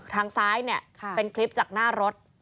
ทางซ้ายเนี่ยเป็นคลิปจากหน้ารถ